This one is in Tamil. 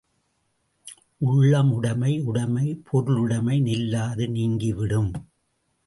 உள்ள முடைமை உடைமை பொருளுடைமை நில்லாது நீங்கி விடும்.